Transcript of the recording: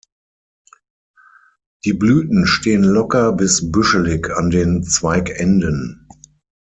Die Blüten stehen locker bis büschelig an den Zweigenden.